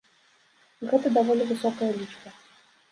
Гэта даволі высокая лічба.